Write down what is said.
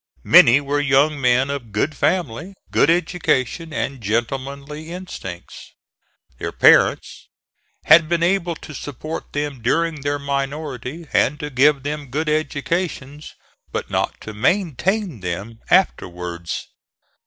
Many were young men of good family, good education and gentlemanly instincts. Their parents had been able to support them during their minority, and to give them good educations, but not to maintain them afterwards.